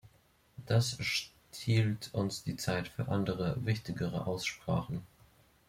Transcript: Das stiehlt uns die Zeit für andere, wichtigere Aussprachen.